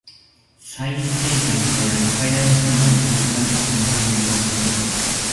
最西端の階段。階段の下まで行き、さっきと同じようにポストを見る。